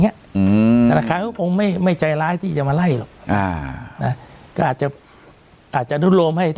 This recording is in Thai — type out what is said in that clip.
เนี้ยอืมธนาคารก็คงไม่ไม่ใจร้ายที่จะมาไล่หรอกอ่านะก็อาจจะอาจจะดูดโรมให้